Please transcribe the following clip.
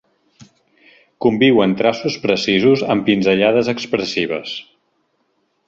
Conviuen traços precisos amb pinzellades expressives.